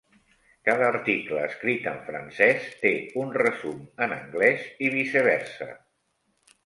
Cada article escrit en francès té un resum en anglès i viceversa.